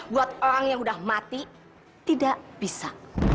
buat orang yang sudah mati tidak bisa